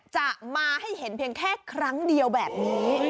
จะมาให้เห็นเพียงแค่ครั้งเดียวแบบนี้